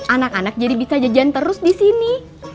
anak anak jadi bisa jajan terus disini